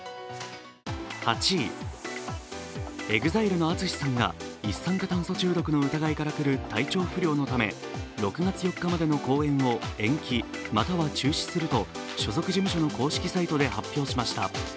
８位、ＥＸＩＬＥのＡＴＳＵＳＨＩさんが一酸化炭素中毒の疑いからくる体調不良のため６月４日までの公演を延期、または中止すると所属事務所の公式サイトで発表しました。